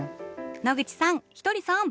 野口さんひとりさん。